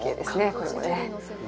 これもね。